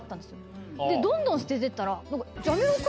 どんどん捨ててったら。